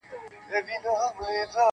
• هم پردې سي هم غلیم د خپل تربور وي -